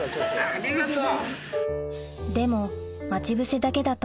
ありがとう！